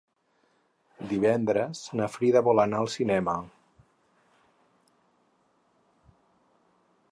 Divendres na Frida vol anar al cinema.